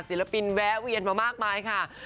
ศิลปินแวะเวียนมามากมายค่ะ